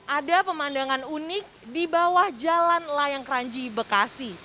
ada pemandangan unik di bawah jalan layang kranji bekasi